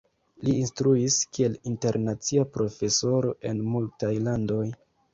Li instruis kiel internacia profesoro en multaj landoj.